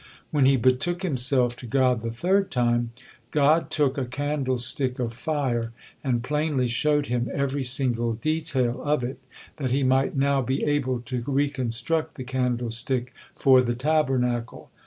When he betook himself to God the third time, God took a candlestick of fire and plainly showed him every single detail of it, that he might now be able to reconstruct the candlestick for the Tabernacle.